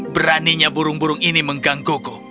beraninya burung burung ini mengganggu gung